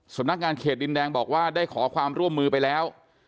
สำนักงานเขตดินแดงบอกว่าได้ขอความร่วมมือไปแล้ว